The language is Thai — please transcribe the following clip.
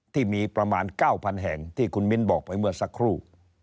ที่มีประมาณ๙๐๐แห่งที่คุณมิ้นบอกไปเมื่อสักครู่